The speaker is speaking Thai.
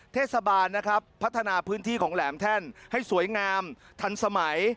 เทศบาลนะครับพัฒนาพื้นที่ของแหลมแท่นให้สวยงามทันสมัย